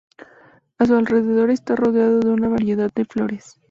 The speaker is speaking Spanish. A su alrededor está rodeado de una variedad de flores.